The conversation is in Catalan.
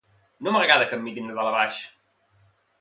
No m'agrada que em mirin de dalt a baix